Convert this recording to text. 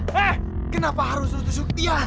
hei kenapa harus lo tusuk dia